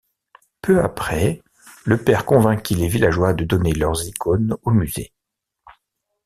Peu après, le père convainquit les villageois de donner leurs icônes au musée.